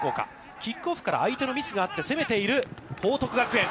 キックオフから相手のミスがあって攻めている報徳学園。